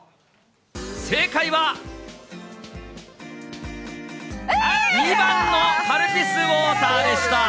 正解は、２番のカルピスウォーターでした。